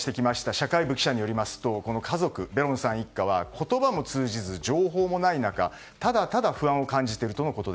社会部記者によりますとこの家族、ベロンさん一家は言葉も通じず情報もない中ただただ不安を感じていると。